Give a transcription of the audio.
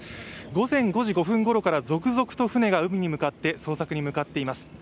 午前５時５分頃から続々と船が海に向かって捜索に向かっています。